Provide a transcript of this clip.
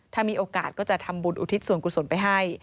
ถ้ามีโอกาสก็จะทำบุญอุทิศส่วนกุศลไปให้